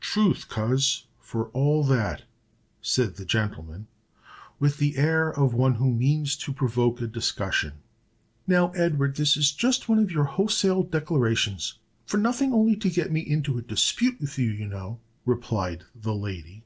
"Truth, coz, for all that," said the gentleman, with the air of one who means to provoke a discussion. "Now, Edward, this is just one of your wholesale declarations, for nothing only to get me into a dispute with you, you know," replied the lady.